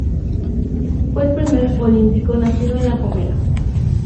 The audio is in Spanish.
Fue el primer olímpico nacido en La Gomera.